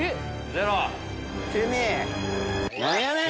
何やねん！